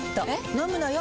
飲むのよ。